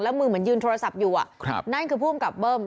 แล้วมือเหมือนยืนโทรศัพท์อยู่นั่นคือผู้อำกับเบิ้ม